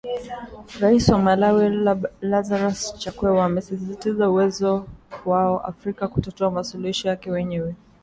Rais wa Malawi Lazarus chakwera amesisitiza uwezo wao Afrika kutatua masuluhisho yake wenyewe